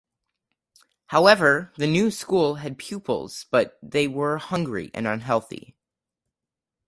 However the new school had pupils but they were hungry and unhealthy.